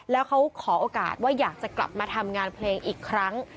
แล้วเขาขอโอกาสว่าอยากจะกลับมาทำงานเพลงอีกครั้ง